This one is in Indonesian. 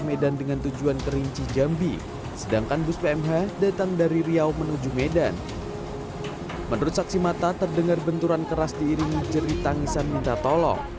menurut saksi mata terdengar benturan keras diiringi jerit tangisan minta tolong